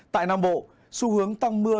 tại nam bộ xu hướng tăng mưa